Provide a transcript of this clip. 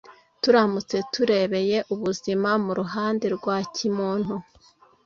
Turamutse turebeye ubuzima mu ruhande rwa kimuntu,